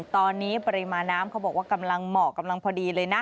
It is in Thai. ตอนนี้ปริมาณน้ำเขาบอกว่ากำลังเหมาะกำลังพอดีเลยนะ